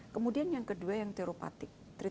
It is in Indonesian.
kemudian yang kedua yang teropatik treatment obat obatan